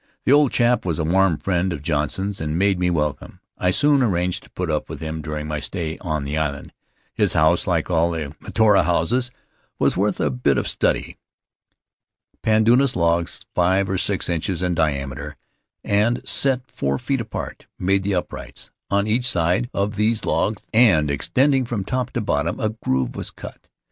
The old chap was a warm friend of John son's and made me welcome; I soon arranged to put up with him during my stay on the island. His house, like all the Mataora houses, was worth a bit of study. "Pandanus logs, five or six inches in diameter and set four feet apart, made the uprights. On each side [52 1 Marooned on Mataora of these logs, and extending from top to bottom, a groove was cut.